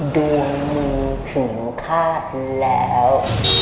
ดูถึงคาดแล้ว